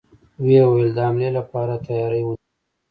و يې ويل: د حملې له پاره تياری ونيسئ!